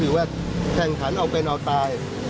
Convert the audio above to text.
ว่าแข่งขันเอาเป็นเอาตาย